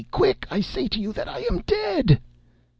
—quick!—I say to you that I am dead!"